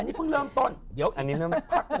อันนี้เพิ่งเริ่มต้นเดี๋ยวอีกสักพักนึง